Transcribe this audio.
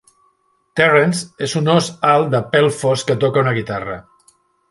Terrence: és un ós alt de pèl fosc que toca una guitarra.